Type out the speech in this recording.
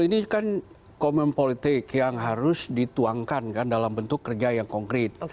ini kan komen politik yang harus dituangkan kan dalam bentuk kerja yang konkret